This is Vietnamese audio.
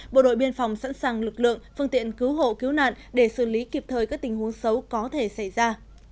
bộ đội biên phòng sẵn sàng lực lượng phương tiện cứu hộ cứu nạn để xử lý kịp thời các tình huống xấu có thể xảy ra